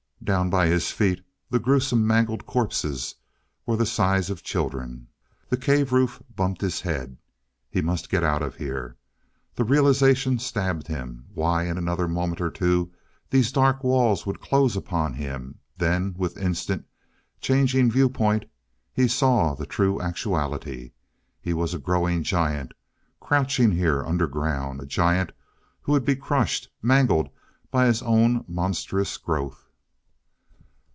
Down by his feet the gruesome mangled corpses were the size of children. The cave roof bumped his head. He must get out of here! The realization stabbed him. Why, in another moment or two these dark walls would close upon him! Then with instant changing viewpoint he saw the true actuality. He was a growing giant, crouching here underground a giant who would be crushed, mangled by his own monstrous growth.